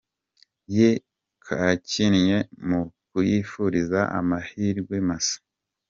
ye yakinnye mu kuyifuriza amahirwe masa.